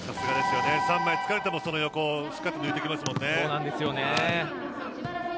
３枚使われても、その横をしっかりと抜いてきますもんね。